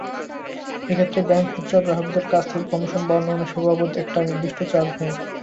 এক্ষেত্রে ব্যাংক খুচরা গ্রাহকদের কাছ থেকে কমিশন বা অন্যান্য সেবা বাবদ একটা নির্দিষ্ট চার্জ নেয়।